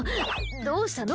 どうしたの？